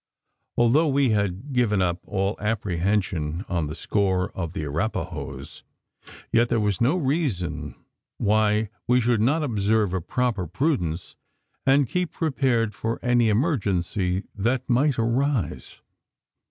Although we had given up all apprehension on the score of the Arapahoes; yet that was no reason why we should not observe a proper prudence, and keep prepared for any emergency that might arise.